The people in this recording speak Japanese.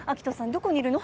どこにいるの？